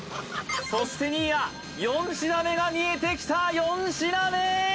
そして新谷４品目が見えてきた４品目